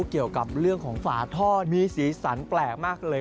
เกี่ยวกับเรื่องของฝาท่อมีสีสันแปลกมากเลย